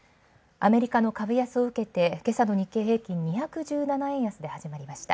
アメリカの株安をうけて今朝の日経平均２１７円安ではじまりました。